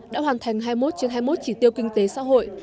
đã hoàn thành hai mươi một trên hai mươi một chỉ tiêu kinh tế xã hội